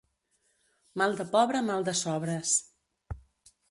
Mal de pobre, mal de sobres.